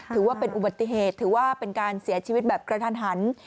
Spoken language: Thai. ถือว่าเป็นอุบัติเหตุถือว่าเป็นการเสียชีวิตแบบกระทันหัน